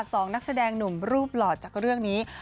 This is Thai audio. สองนักแสดงหนุ่มรูปหลอดจากเรื่องนี้